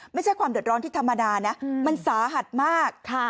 ไม่ใช่ความเดือดร้อนที่ธรรมดานะมันสาหัสมาก